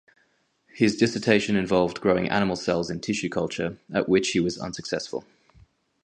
His dissertation involved growing animal cells in tissue culture, at which he was unsuccessful.